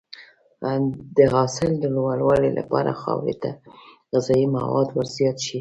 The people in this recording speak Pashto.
د حاصل د لوړوالي لپاره خاورې ته غذایي مواد ورزیات شي.